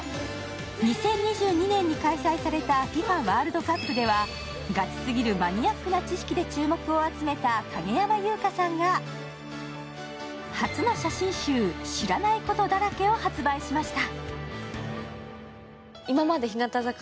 ２０２２年に開催されたＦＩＦＡワールドカップでは、ガチすぎるマニアックな知識で注目を集めた影山優佳さんが初の写真集「知らないことだらけ」を発売しました。